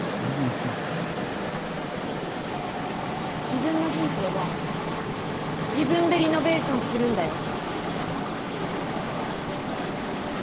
自分の人生は自分でリノベーションするんだよ。